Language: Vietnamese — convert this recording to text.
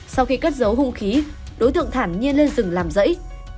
sau khi cất giấu hung khí đối tượng thảm nhiên lên rừng làm rẫy